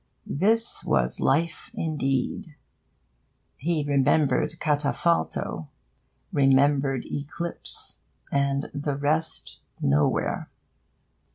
This was life indeed! He remembered Katafalto remembered Eclipse and the rest nowhere.